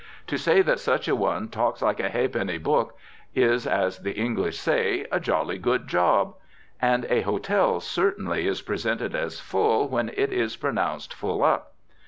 To say that such a one "talks like a ha'penny book" is, as the English say, "a jolly good job." And a hotel certainly is presented as full when it is pronounced "full up."